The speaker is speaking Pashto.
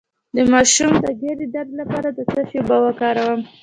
د ماشوم د ګیډې درد لپاره د څه شي اوبه وکاروم؟